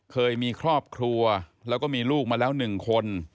เคยมีครอบครัวแล้วก็มีลูกมาแล้ว๑คน